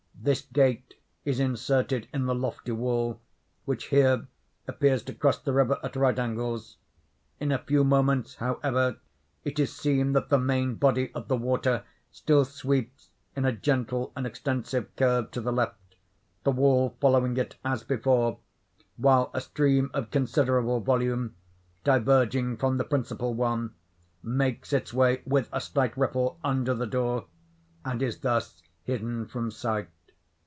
This gate is inserted in the lofty wall; which here appears to cross the river at right angles. In a few moments, however, it is seen that the main body of the water still sweeps in a gentle and extensive curve to the left, the wall following it as before, while a stream of considerable volume, diverging from the principal one, makes its way, with a slight ripple, under the door, and is thus hidden from sight.